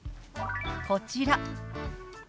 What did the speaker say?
こちら。